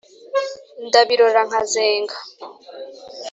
ndabirora nkazenga”